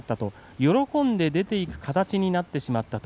喜んで出ていく形になってしまったと。